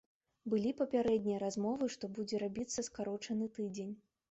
Былі папярэднія размовы, што будзе рабіцца скарочаны тыдзень.